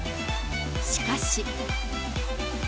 しかし。